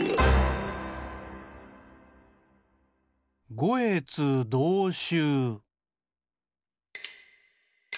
「ごえつどうしゅう」。